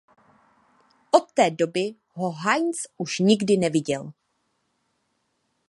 Od té doby ho Heinz už nikdy neviděl.